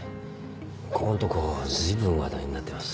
ここのとこ随分話題になってます。